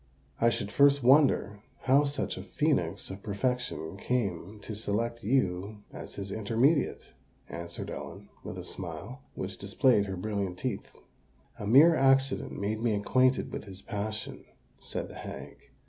"I should first wonder how such a phœnix of perfection came to select you as his intermediate," answered Ellen, with a smile, which displayed her brilliant teeth. "A mere accident made me acquainted with his passion," said the hag.